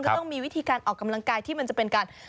ต้องมีวิธีการออกกำลังกายที่มันจะเป็นการ